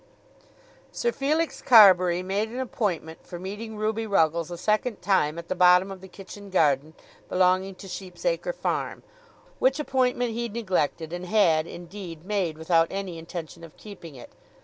Sir Felix Carbury made an appointment for meeting Ruby Ruggles a second time at the bottom of the kitchen garden belonging to Sheep's Acre farm, which appointment he neglected, and had, indeed, made without any intention of keeping it.